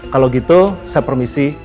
kalau gitu saya permisi